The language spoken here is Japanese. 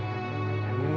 うん。